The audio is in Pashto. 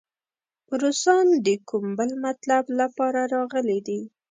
روسان د کوم بل مطلب لپاره راغلي دي.